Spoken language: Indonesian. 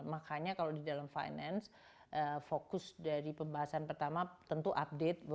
makanya kalau di dalam finance fokus dari pembahasan pertama tentu update